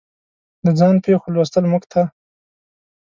د ځان پېښو لوستل موږ ته